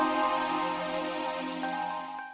ini bukan kemarin